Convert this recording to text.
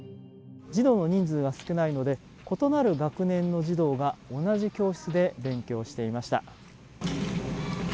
児童の人数が少ないので異なる学年の児童が同じ教室で勉強していました。